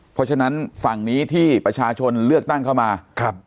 เพราะฉะนั้นฝั่งนี้ที่ประชาชนเลือกตั้งเข้ามาครับ